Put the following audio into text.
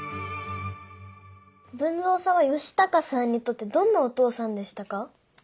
豊造さんは嘉孝さんにとってどんなお父さんでしたか？